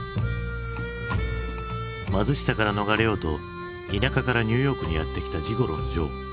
貧しさから逃れようと田舎からニューヨークにやって来たジゴロのジョー。